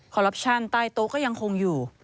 คอลลัพชันตายโต๊ะก็ยังคงอยู่